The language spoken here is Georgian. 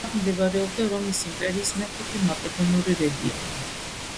აქ მდებარეობდა რომის იმპერიის მეხუთე მაკედონური რეგიონი.